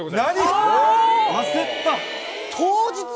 焦った。